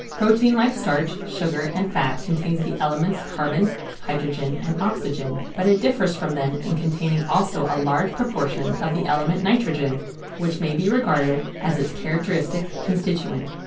Protein like starch, sugar, and fat contains the elements carbon, hydrogen, and oxygen, but it differs from them in containing also a large proportion of the element nitrogen, which may be regarded as its characteristic constituent.